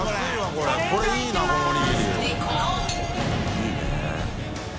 いいね。